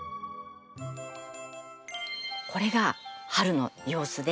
これが春の様子で。